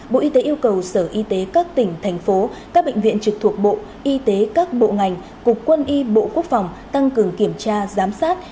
bộ y tế yêu cầu sở y tế các tỉnh thành phố các bệnh viện trực thuộc bộ y tế các bộ ngành cục quân y bộ quốc phòng tăng cường kiểm tra giám sát